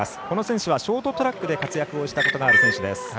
この選手はショートトラックで活躍をしたことがある選手です。